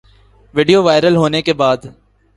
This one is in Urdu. ویڈیو وائرل ہونے کے بعد